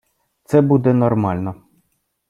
Це буде нормально.